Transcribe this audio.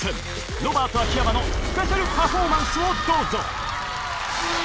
ロバート・秋山のスペシャルパフォーマンスをどうぞ。